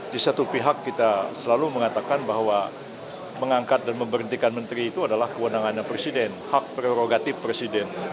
di satu pihak kita selalu mengatakan bahwa mengangkat dan memberhentikan menteri itu adalah kewenangannya presiden hak prerogatif presiden